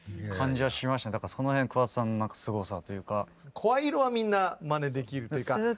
声色はみんなまねできるというか。